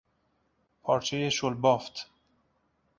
پارچهی شل بافت